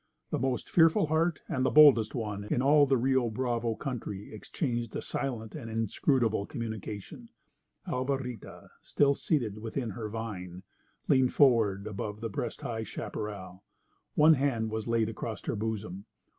The most fearful heart and the boldest one in all the Rio Bravo country exchanged a silent and inscrutable communication. Alvarita, still seated within her vine, leaned forward above the breast high chaparral. One hand was laid across her bosom.